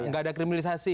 gak ada kriminalisasi